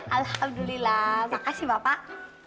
alhamdulillah terima kasih bapak